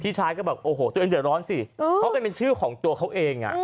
พี่ชายก็บอกโอ้โหตัวเองเดี๋ยวร้อนสิเพราะกันเป็นชื่อของตัวเขาเองอ่ะ